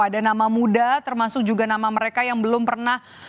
ada nama muda termasuk juga nama mereka yang belum pernah